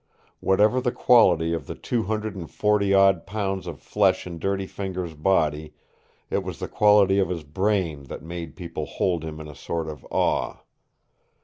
Whatever the quality of the two hundred and forty odd pounds of flesh in Dirty Fingers' body, it was the quality of his brain that made people hold him in a sort of awe.